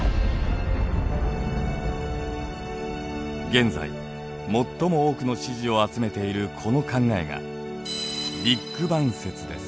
現在最も多くの支持を集めているこの考えがビッグバン説です。